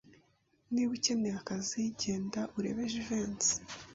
Niba ukeneye akazi, genda urebe Jivency.